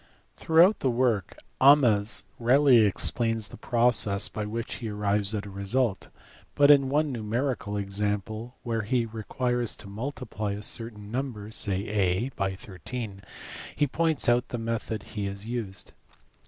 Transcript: Throughout the work Ahmes rarely explains the process by which he arrives at a result, but in one numerical example, where he requires to multiply a certain number, say &, by 13, he points out the method he has used.